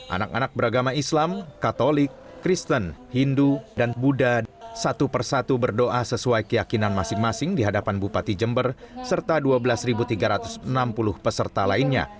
anak anak beragama islam katolik kristen hindu dan buddha satu persatu berdoa sesuai keyakinan masing masing di hadapan bupati jember serta dua belas tiga ratus enam puluh peserta lainnya